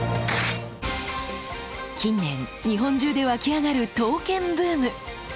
近年日本中で沸き上がる刀剣ブーム。